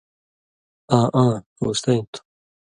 ”آں آں کوستَیں تُھو۔